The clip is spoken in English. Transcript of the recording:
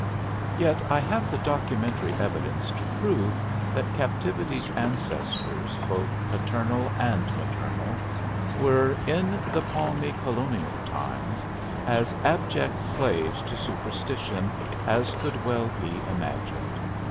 Yet I have the documentary evidence to prove that Captivity's ancestors (both paternal and maternal) were, in the palmy colonial times, as abject slaves to superstition as could well be imagined.